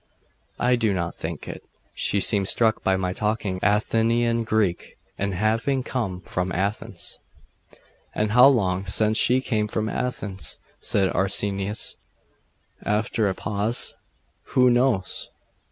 'I do not think it. She seemed struck by my talking Athenian Greek, and having come from Athens.' 'And how long since she came from Athens?' said Arsenius, after a pause. 'Who knows?